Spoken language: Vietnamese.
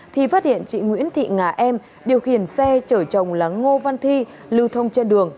thì phát hiện chị nguyễn thị ngà em điều khiển xe chở chồng là ngô văn thi lưu thông trên đường